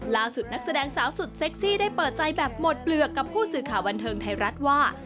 นักแสดงสาวสุดเซ็กซี่ได้เปิดใจแบบหมดเปลือกกับผู้สื่อข่าวบันเทิงไทยรัฐว่า